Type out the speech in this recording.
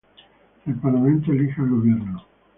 El Parlamento elige al Gobierno.